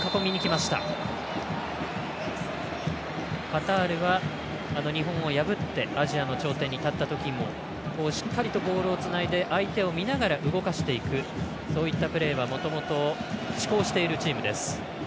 カタールは日本を破ってアジアの頂点に立ったときもしっかりとボールをつないで相手を見ながら動かしていくそういったプレーはもともと試行しているチームです。